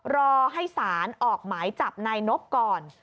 รอให้สารออกหมายจับนายนบก่อน